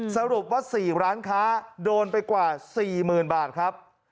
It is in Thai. สรุปว่า๔ร้านค้าโดนไปกว่า๔๐๐๐บาทครับ